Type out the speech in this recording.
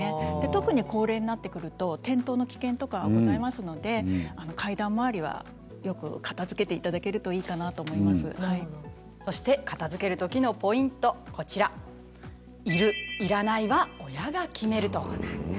特に高齢になってくると転倒の危険とかございますので階段周りはよく片づけていただけると片づける時のポイントいる・いらないは親が決める。